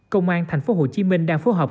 công an thành phố hồ chí minh đang phối hợp